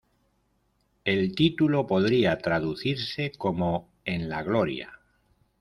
El título podría traducirse como "En la gloria".